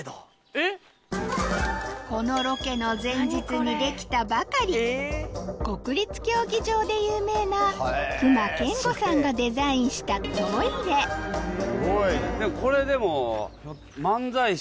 このロケの前日に出来たばかり国立競技場で有名な隈研吾さんがデザインしたこれでも。